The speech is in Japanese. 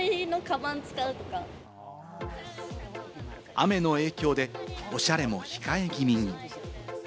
雨の影響でオシャレも控え気味に。